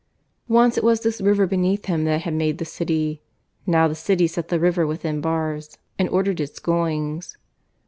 Once it was this river beneath him that had made the city; now the city set the river within bars and ordered its goings.